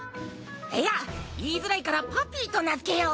いや言いづらいからパピィと名づけよう。